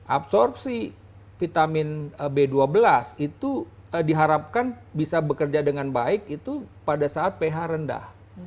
absorpsi vitamin b dua belas itu diharapkan bisa bekerja dengan baik itu pada saat ph rendah